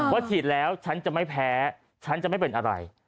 ฉีดแล้วฉันจะไม่แพ้ฉันจะไม่เป็นอะไร